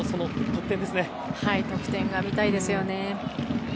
得点が見たいですよね。